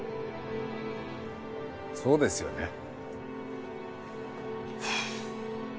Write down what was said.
そうですよね。